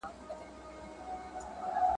ړانده وویل بچی د ځناور دی `